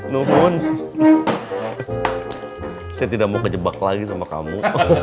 namun saya tidak mau kejebak lagi sama kamu